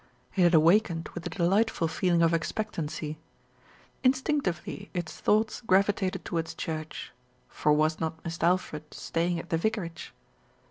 It had awakened with a delightful feeling of expectancy. Instinctively its thoughts gravi tated towards church, for was not Mist' Alfred stay ing at the vicarage?